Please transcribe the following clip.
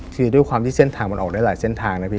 คือด้วยความที่เส้นทางมันออกได้หลายเส้นทางนะพี่